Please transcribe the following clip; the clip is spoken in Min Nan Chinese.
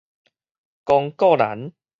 公告欄